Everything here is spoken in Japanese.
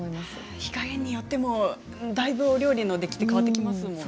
火加減によってもお料理の出来が変わってきますもんね。